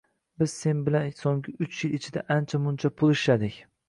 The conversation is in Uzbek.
Biz sen bilan so`nggi uch yil ichida ancha-muncha pul ishladik